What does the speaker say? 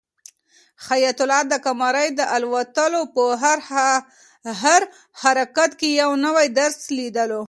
حیات الله د قمرۍ د الوتلو په هر حرکت کې یو نوی درس لیدلو.